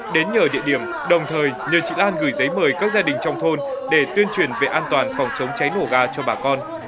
đến nhờ địa điểm đồng thời nhờ chị an gửi giấy mời các gia đình trong thôn để tuyên truyền về an toàn phòng chống cháy nổ ga cho bà con